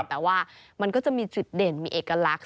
แต่ว่ามันก็จะมีจุดเด่นมีเอกลักษณ์